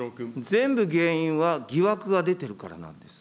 全部原因は疑惑が出てるからなんです。